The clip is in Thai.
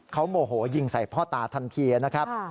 เขาโมโหยิงใส่พ่อตาทันทีนะครับ